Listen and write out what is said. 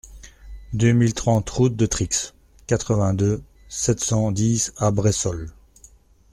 deux mille trente route de Trixe, quatre-vingt-deux, sept cent dix à Bressols